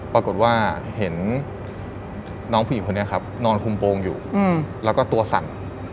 ปรากฏว่าเห็นน้องผู้หญิงคนนี้ครับนอนคุมโปรงอยู่แล้วก็ตัวสั่น